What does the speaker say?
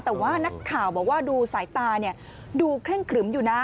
แต่ว่านักข่าวบอกว่าดูสายตาดูเคร่งครึมอยู่นะ